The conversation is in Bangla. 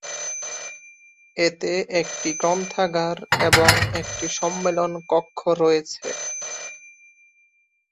এতে একটি গ্রন্থাগার এবং একটি সম্মেলন কক্ষ রয়েছে।